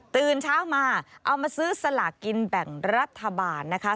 ตื่นเช้ามาเอามาซื้อสลากกินแบ่งรัฐบาลนะคะ